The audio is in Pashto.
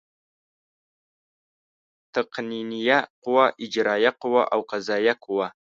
تقنینیه قوه، اجرائیه قوه او قضایه قوه.